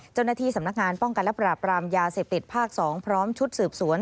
เจ้าหน้าที่สำนักงานป้องกันและปราบรามยาเสพติดภาค๒พร้อมชุดสืบสวน